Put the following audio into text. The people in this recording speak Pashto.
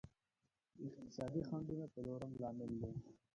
اقتصادي خنډونه څلورم لامل دی.